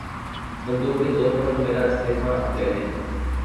بندوق کے زور پر میرا استعفیٰ لینے